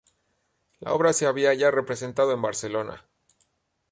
La obra se había ya representado en Barcelona.